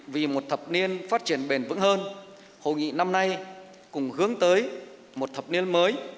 vì một thập niên phát triển bền vững hơn hội nghị năm nay cùng hướng tới một thập niên mới